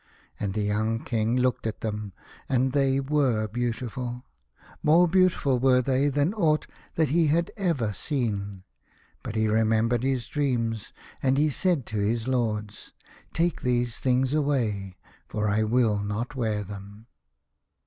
And the young King looked at them, and they were beautiful. More beautiful were they than aught that he had ever seen. But he remembered his dreams, and he said to his lords: "Take these things away, for I will not wear them."